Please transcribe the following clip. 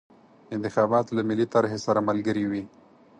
انتخابات له ملي طرحې سره ملګري وي.